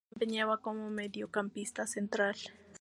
Se desempeñaba como mediocampista central.